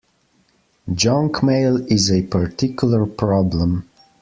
Junk mail is a particular problem